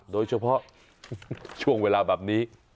โดยเฉพาะช่วงเวลาแบบนี้